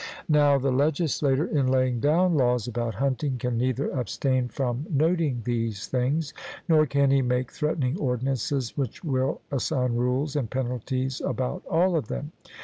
Now the legislator, in laying down laws about hunting, can neither abstain from noting these things, nor can he make threatening ordinances which will assign rules and penalties about all of them.